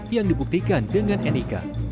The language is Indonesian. yang dibuktikan dengan nik